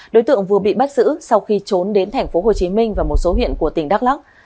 đối tượng vừa bị bắt giữ sau khi trốn đến tp hồ chí minh và một số huyện của tp đắc lắc